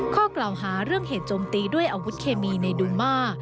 ข้อกล่าวหาเรื่องเหตุจมตีด้วยอาวุธเคมีในดูมา